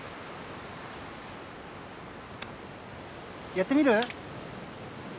やってみる？